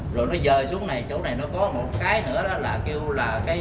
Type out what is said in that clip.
rồi nó dời xuống này chỗ này nó có một cái nữa là cái hồ tân hòa cái này mấy chục hectare